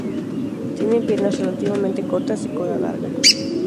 Tienen piernas relativamente cortas y cola larga.